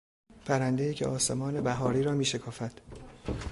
پرندهای که آسمان بهاری را میشکافد